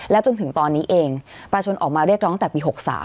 จนถึงตอนนี้เองประชาชนออกมาเรียกร้องตั้งแต่ปี๖๓